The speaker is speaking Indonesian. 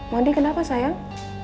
mondi kenapa sayang